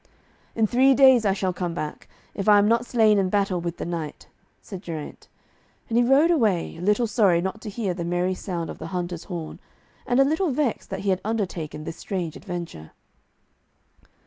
'In three days I shall come back, if I am not slain in battle with the knight,' said Geraint. And he rode away, a little sorry not to hear the merry sound of the hunter's horn, and a little vexed that he had undertaken this strange adventure.